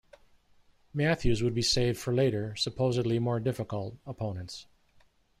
Matthews would be saved for later, supposedly more difficult, opponents.